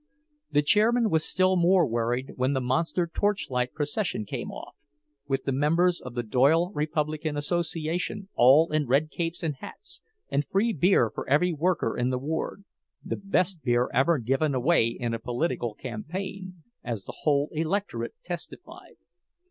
The chairman was still more worried when the monster torchlight procession came off, with the members of the Doyle Republican Association all in red capes and hats, and free beer for every voter in the ward—the best beer ever given away in a political campaign, as the whole electorate testified.